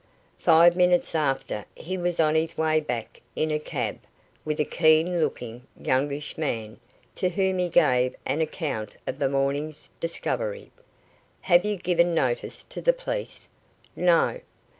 Five minutes after he was on his way back in a cab, with a keen looking, youngish man, to whom he gave an account of the morning's discovery. "Have you given notice to the police?" "No."